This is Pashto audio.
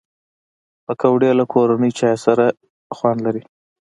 پکورې له کورني چای سره خاص خوند لري